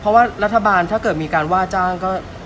เพราะว่ารัฐบาลถ้าเกิดมีการว่าจ้างก็